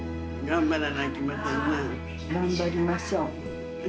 頑張りましょう。